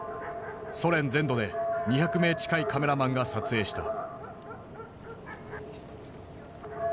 ソ連全土で２００名近いカメラマンが撮影した。